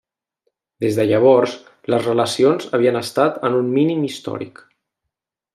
Des de llavors, les relacions havien estat en un mínim històric.